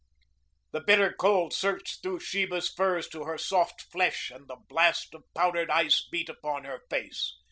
The bitter cold searched through Sheba's furs to her soft flesh and the blast of powdered ice beat upon her face.